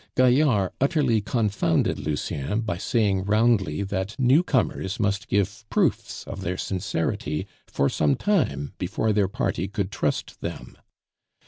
Gaillard utterly confounded Lucien by saying roundly that newcomers must give proofs of their sincerity for some time before their party could trust them.